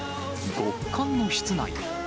極寒の室内。